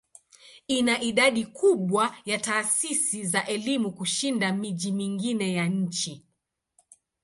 Ina idadi kubwa ya taasisi za elimu kushinda miji mingine ya nchi.